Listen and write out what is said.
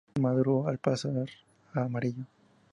Madura al pasar a amarillo.